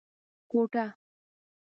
کوټه